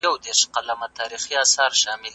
زه د حیواناتو سره مینه کوم.